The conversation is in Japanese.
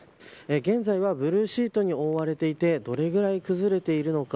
現在はブルーシートに覆われていてどれぐらい崩れているのか